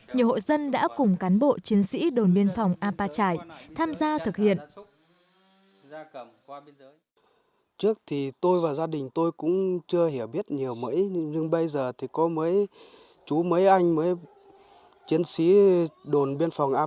nhiều hộ dân đã cùng cán bộ chiến sĩ đồn biên phòng a pa chải tham gia thực hiện